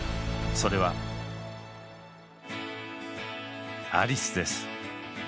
それはアリスです。